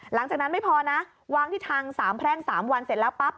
หลังจากนั้นไม่พอนะวางที่ทางสามแพร่ง๓วันเสร็จแล้วปั๊บ